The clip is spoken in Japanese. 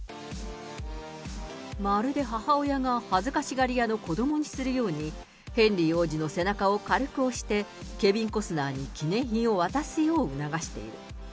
まるで母親が恥ずかしがり屋の子どもにするように、ヘンリー王子の背中を軽く押して、ケビン・コスナーに記念品を渡すよう促している。